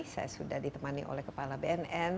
saya sudah ditemani oleh kepala bnn